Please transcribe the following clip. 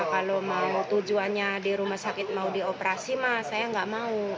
kalau mau tujuannya di rumah sakit mau dioperasi mah saya nggak mau